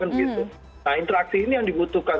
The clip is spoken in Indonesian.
nah interaksi ini yang dibutuhkan